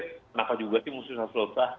kenapa juga sih musuhnya sudah usah